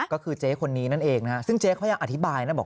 ก็คือเจ๊คนนี้นั่นเองซึ่งเจ๊ยังอธิบาย